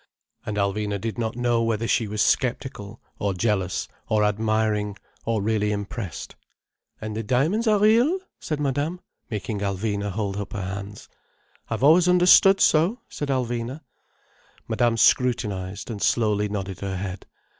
And Alvina did not know whether she was sceptical, or jealous, or admiring, or really impressed. "And the diamonds are real?" said Madame, making Alvina hold up her hands. "I've always understood so," said Alvina. Madame scrutinized, and slowly nodded her head.